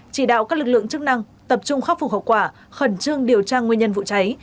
chỉ đạo các lực lượng chức năng tập trung khắc phục hậu quả khẩn trương điều tra nguyên nhân vụ cháy